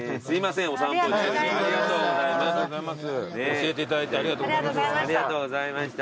教えていただいてありがとうございました。